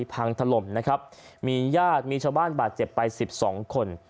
พังถล่มนะครับมีญาติมีชาวบ้านบาดเจ็บไป๑๒คน